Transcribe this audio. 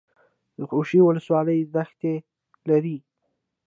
د خوشي ولسوالۍ دښتې لري